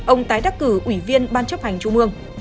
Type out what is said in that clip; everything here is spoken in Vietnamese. ông tái đắc cử ủy viên ban chấp hành trung ương